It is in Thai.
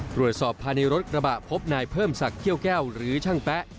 ตรวจสอบภายในรถกระบะพบนายเพิ่มศักดิ้วแก้วหรือช่างแป๊ะ